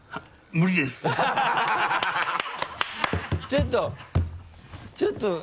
ちょっとちょっと。